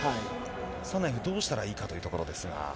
サナエフ、どうしたらいいかというところですが。